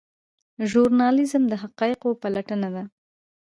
ژورنالیزم د حقایقو پلټنه ده